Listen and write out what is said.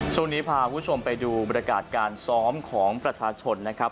ช่วงนี้พาคุณผู้ชมไปดูบรรยากาศการซ้อมของประชาชนนะครับ